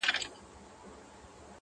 غواړم د پېړۍ لپاره مست جام د نشیې .